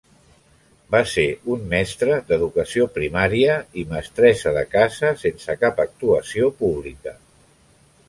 Va ser un mestre d'educació primària i mestressa de casa sense cap actuació pública.